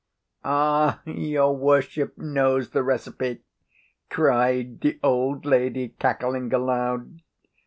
"Ah, your worship knows the recipe," cried the old lady, cackling aloud.